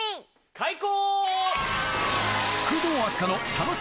開講！